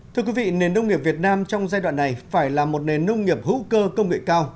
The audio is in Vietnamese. thưa quý vị nền nông nghiệp việt nam trong giai đoạn này phải là một nền nông nghiệp hữu cơ công nghệ cao